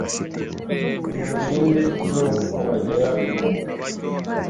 Ntimurinde n'uko agera mu butaka